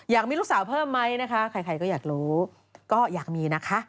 อยากมีลูกสาวเพิ่มไหมนะคะใครก็อยากรู้ก็อยากมีนะคะ